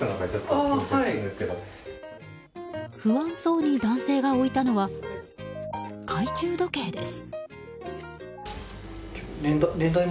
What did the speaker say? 不安そうに男性が置いたのは懐中時計です。